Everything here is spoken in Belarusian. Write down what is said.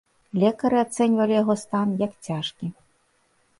Лекары ацэньвалі яго стан як цяжкі.